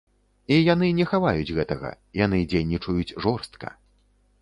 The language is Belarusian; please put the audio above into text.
І яны не хаваюць гэтага, яны дзейнічаюць жорстка.